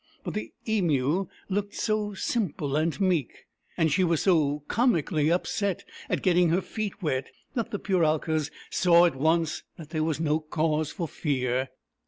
But the Emu looked so simple and meek, and she was so comi cally upset at getting her feet wet, that the Pural kas saw at once that there was no cause for fear.